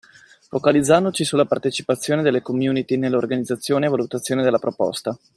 Focalizzandoci sulla partecipazione della community nella organizzazione e valutazione della proposta.